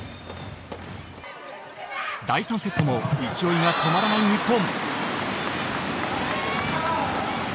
第３セットも勢いが止まらない日本。